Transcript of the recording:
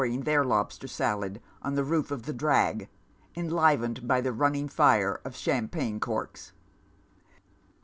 g their lobster salad on the roof of the drag, enli vened by a running iire of champagne corks.